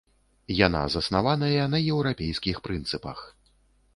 Яна заснаваная на еўрапейскіх прынцыпах.